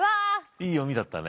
いい読みだったね。